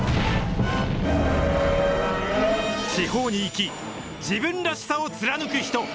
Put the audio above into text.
地方に生き、自分らしさを貫く人。